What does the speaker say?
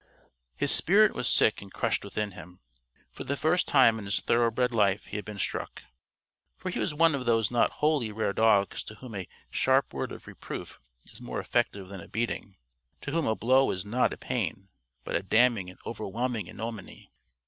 His spirit was sick and crushed within him. For the first time in his thoroughbred life he had been struck. For he was one of those not wholly rare dogs to whom a sharp word of reproof is more effective than a beating to whom a blow is not a pain, but a damning and overwhelming ignominy.